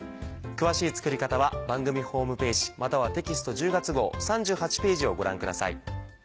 詳しい作り方は番組ホームページまたはテキスト１０月号３８ページをご覧ください。